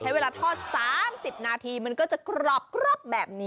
ใช้เวลาทอด๓๐นาทีมันก็จะกรอบแบบนี้